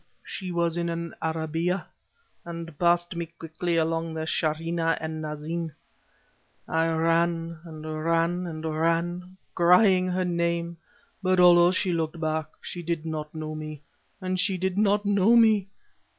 She was in an arabeeyeh, and passed me quickly along the Sharia en Nahhasin. I ran, and ran, and ran, crying her name, but although she looked back, she did not know me she did not know me!